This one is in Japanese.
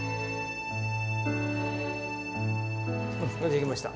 できました。